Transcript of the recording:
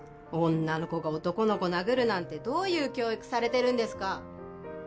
女の子が男の子殴るなんてどういう教育されてるんですか！？